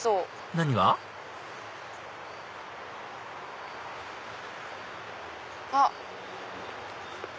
何が？あっ！